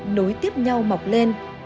nối tiếp nhau mọc lên